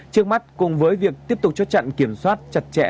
trước mắt cùng với việc tiếp tục cho trận kiểm soát chặt chẽ